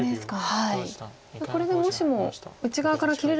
はい。